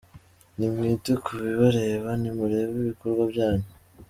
Nimwite ku bibareba, nimurebe ibikorwa byanyu.